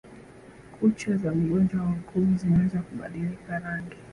kucha za mgonjwa wa ukimwi zinaweza kubadilika rangi